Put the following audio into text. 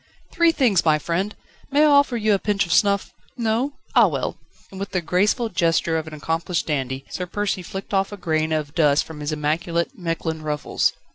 "Three things, my friend may I offer you a pinch of snuff No? Ah well!..." And with the graceful gesture of an accomplished dandy, Sir Percy flicked off a grain of dust from his immaculate Mechlin ruffles.